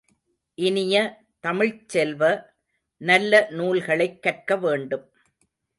இனிய தமிழ்ச் செல்வ, நல்ல நூல்களைக் கற்க வேண்டும்.